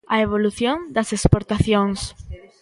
A evolución das exportacións.